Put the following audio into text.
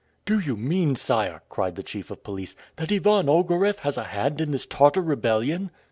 "Do you mean, sire," cried the chief of police, "that Ivan Ogareff has a hand in this Tartar rebellion?"